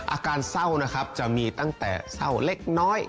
อาการเศร้านะครับจะมีตั้งแต่เศร้าเล็กน้อย